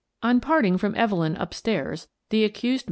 On parting from Evelyn up stairs, the accused mUBI